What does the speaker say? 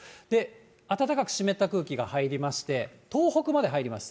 暖かく湿った空気が入りまして、東北まで入ります。